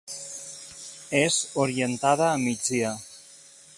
És orientada a migdia.